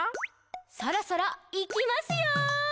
「そろそろ、いきますよ！」